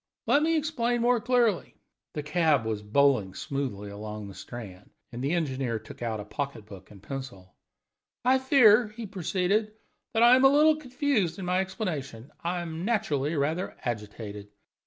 "Let me explain more clearly." The cab was bowling smoothly along the Strand, and the engineer took out a pocket book and pencil. "I fear," he proceeded, "that I am a little confused in my explanation I am naturally rather agitated.